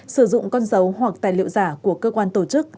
sử dụng con dấu hoặc tài liệu giả của cơ quan tổ chức